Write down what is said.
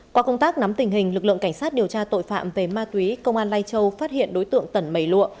qua công tác nắm tình hình lực lượng cảnh sát điều tra tội phạm về ma túy công an lai châu phát hiện đối tượng tẩn mầy lụa